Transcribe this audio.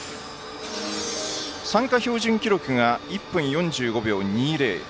参加標準記録が１分４５秒２０です。